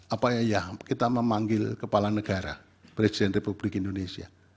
apa ya kita memanggil kepala negara presiden republik indonesia